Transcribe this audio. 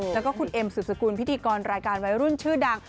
แล้วก็คุณเอ็มสุดสกุลพิธีกรรายการวัยรุ่นชื่อดัง